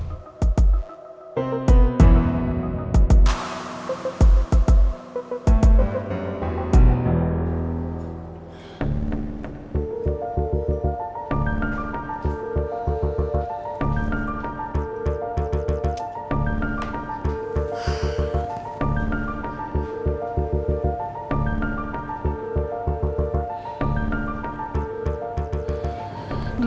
aku percaya arisinga